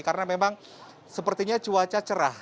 karena memang sepertinya cuaca cerah